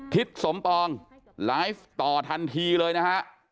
ทิศสมปองไลฟ์ต่อทันทีเลยนะฮะ